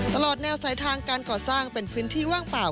ตลอดแนวสายทางการก่อสร้างเป็นพื้นที่ว่างเปล่า